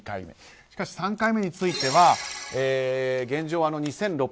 しかし３回目については現状